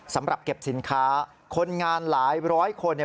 สำหรับเก็บสินค้าคนงานหลายร้อยคน